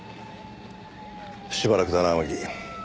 しばらくだな天樹。